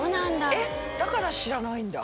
えっだから知らないんだ。